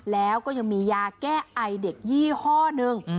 แล้วก็ยังมียาแก้ไอเด็กยี่ห้อหนึ่ง